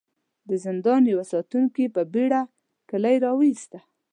د زندان يوه ساتونکي په بېړه کيلې را وايسته.